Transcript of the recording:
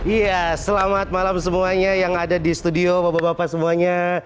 iya selamat malam semuanya yang ada di studio bapak bapak semuanya